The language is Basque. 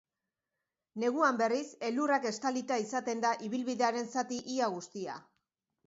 Neguan, berriz, elurrak estalita izaten da ibilbidearen zati ia guztia.